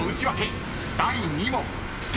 第２問］